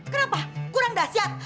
kenapa kurang dahsyat